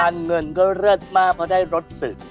เงินก็เลิศมากเพราะได้รสศึก